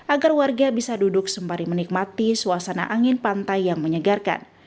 agar warga bisa duduk sembari menikmati suasana angin pantai yang menyegarkan